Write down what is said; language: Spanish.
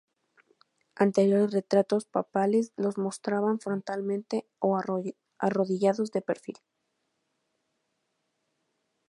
Anteriores retratos papales los mostraban frontalmente, o arrodillados de perfil.